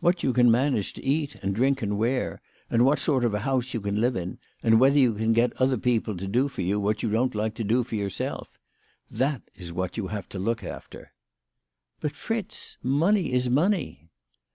What you can manage to eat, and drink, and wear, and what sort of a house you can live in, and whether you can get other people to do for you what you don't like to do your self, that is what you have got to look after." " But, Fritz ; money is money."